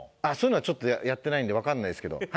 あっそういうのはちょっとやってないのでわかんないですけど。